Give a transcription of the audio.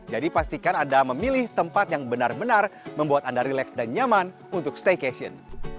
jadi pastikan anda memilih tempat yang benar benar membuat anda relax dan nyaman untuk staycation